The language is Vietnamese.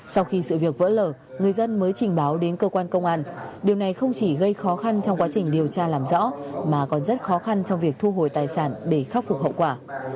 sau khi sự việc vỡ lở người dân mới trình báo đến cơ quan công an điều này không chỉ gây khó khăn trong quá trình điều tra làm rõ mà còn rất khó khăn trong việc thu hồi tài sản để khắc phục hậu quả